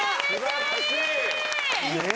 素晴らしい！